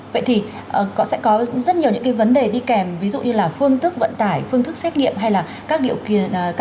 vậy thì có sẽ có rất nhiều những cái vấn đề đi kèm ví dụ như là phương thức vận tải phương thức xét nghiệm